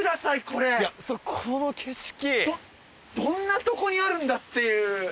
どんなとこにあるんだっていう。